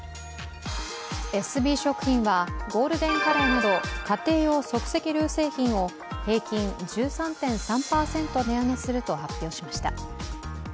エスビー食品はゴールデンカレーなど家庭用即席ルー製品を平均１３．３％値上げすると発表しました。